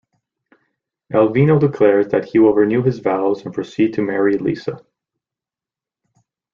Elvino declares that he will renew his vows and proceed to marry Lisa.